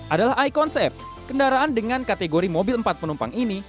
adalah i konsep kendaraan dengan kategori mobil empat penumpang ini